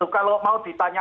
kalau mau ditanya